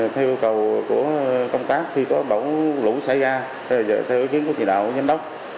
theo cầu của công tác khi có bão lũ xảy ra theo ý kiến của truyền đạo giám đốc